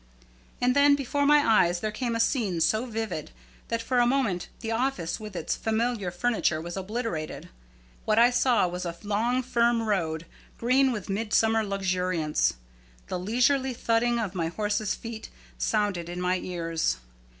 And then before my eyes there came a scene so vivid that for a moment the office with its familiar furniture was obliterated. What I saw was a long firm road, green with midsummer luxuriance. The leisurely thudding of my horse's feet sounded in my ears.